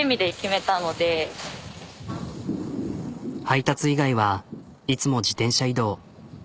配達以外はいつも自転車移動。